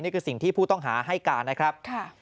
นี่คือสิ่งที่ผู้ต้องหาให้การนะครับ